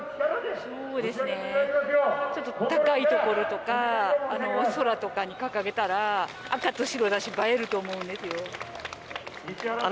そうですねちょっと高い所とか空とかに掲げたら赤と白だし映えると思うんですよ